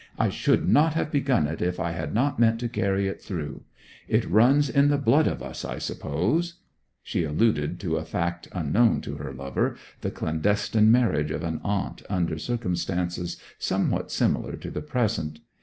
'I should not have begun it if I had not meant to carry it through! It runs in the blood of us, I suppose.' She alluded to a fact unknown to her lover, the clandestine marriage of an aunt under circumstances somewhat similar to the present.